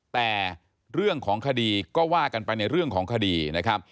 แต่เรื่องของคดีก็ว่ากันไปในเรื่องของคดีนะครับ